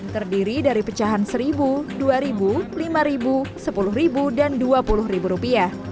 terdiri dari pecahan rp satu rp dua rp lima rp lima rp sepuluh dan rp dua puluh